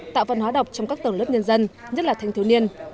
tạo văn hóa đọc trong các tầng lớp nhân dân nhất là thanh thiếu niên